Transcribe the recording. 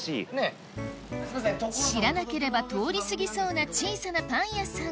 知らなければ通り過ぎそうな小さなパン屋さん